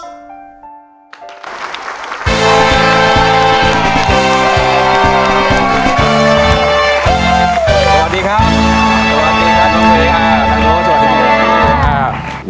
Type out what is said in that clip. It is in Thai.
สวัสดีครับสวัสดีครับน้องเพลงค่ะสวัสดีครับสวัสดีครับสวัสดีครับ